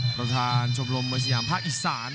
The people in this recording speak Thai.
ประธานชมรมมวยสยามภาคอีสาน